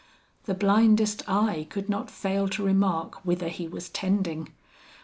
The blindest eye could not fail to remark whither he was tending.